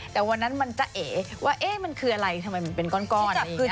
แต่วันนั้นมันจะเอ๋ว่าเอ๊มันคืออะไรทำไมมันเป็นก้อนอะไรอย่างนี้ค่ะ